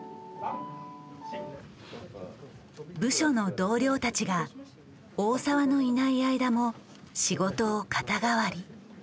部署の同僚たちが大澤のいない間も仕事を肩代わり。